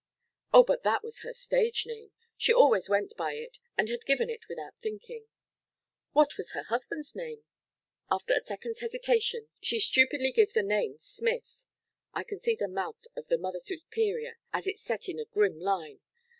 Oh, but that was her stage name she always went by it and had given it without thinking. What was her husband's name? After a second's hesitation she stupidly give the name Smith. I can see the mouth of the Mother Superior as it set in a grim line.